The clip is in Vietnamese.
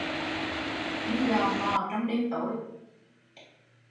Đi lò mò trong đêm tối